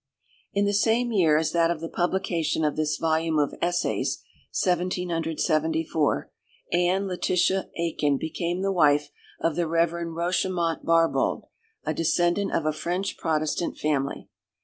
In the same year as that of the publication of this volume of Essays, 1774, Anne Letitia Aikin became the wife of the Rev. Rochemont Barbauld, a descendant of a French Protestant family.